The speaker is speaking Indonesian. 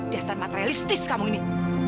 diasan materialistis kamu ini